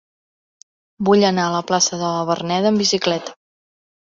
Vull anar a la plaça de la Verneda amb bicicleta.